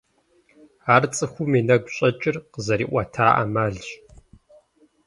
Ар цӀыхум и нэгу щӀэкӀыр къызэриӀуэта Ӏэмалщ.